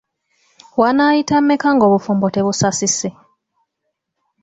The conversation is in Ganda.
Wannaayita mmeka ng'obufumbo tebusasise?